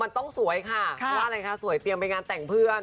มันต้องสวยสวยเตียงไปงานแต่งเพื่อน